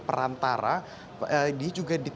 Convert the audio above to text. perantara dia juga